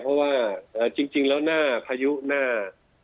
เพราะว่าจริงแล้วหน้าพายุหน้า